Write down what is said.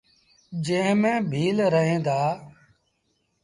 جݩهݩ ميݩ ڀيٚل روهيݩ دآ۔